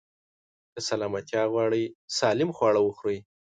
که سلامتيا غواړئ، سالم خواړه وخورئ.